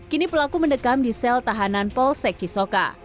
kini pelaku mendekam di sel tahanan polsekcisoka